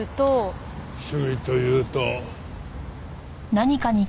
趣味というと。